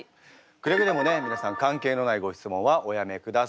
くれぐれもね皆さん関係のないご質問はおやめください。